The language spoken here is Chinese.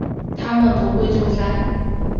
他们不会救灾